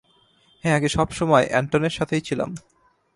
হ্যাঁ আগে সবসময় এন্টনের সাথেই ছিলাম।